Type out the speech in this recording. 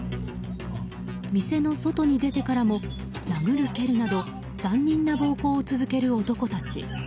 店の外に出てからも殴る蹴るなど残忍な暴行を続ける男たち。